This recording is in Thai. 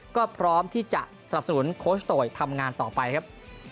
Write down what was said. ก็พร้อมที่จะสนับสนุนโค้ชโตยทำงานต่อไปครับ